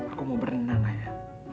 aku mau berenang ayah